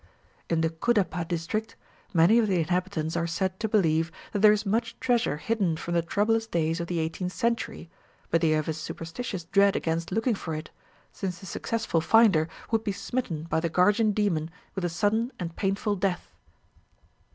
In the Cuddapah district, many of the inhabitants are said to believe that there is much treasure hidden from the troublous days of the eighteenth century, but they have a superstitious dread against looking for it, since the successful finder would be smitten by the guardian demon with a sudden and painful death.